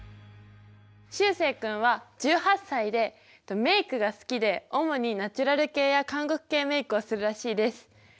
しゅうせい君は１８歳でメイクが好きで主にナチュラル系や韓国系メイクをするらしいです。